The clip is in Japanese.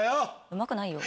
うまくないよ。